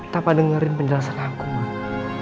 tanpa dengerin penjelasan aku mbak